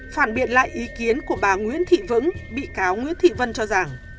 phản biện lại ý kiến của bà nguyễn thị vững bị cáo nguyễn thị vân cho rằng